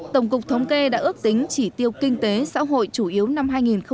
tổng cục thống kê đã ước tính chỉ tiêu kinh tế xã hội chủ yếu năm hai nghìn một mươi chín